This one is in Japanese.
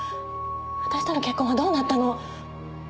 私との結婚はどうなったの！？